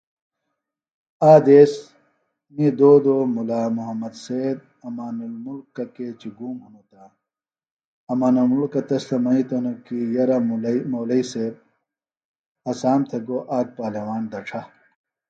آک دیس می دودوۡ مُلا محمد سید امان الملک کیچیۡ گُوم ہِنوۡ تہ امان المُلکہ تس تھےۡ منِیتوۡ کی یرہ مولئیۡ سیب اسام تھےۡ گو آک پالواݨ دڇھہ